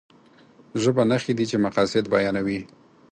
ژبه نښې دي چې مقاصد بيانوي.